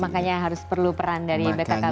makanya harus perlu peran dari bkkbn ya pak ya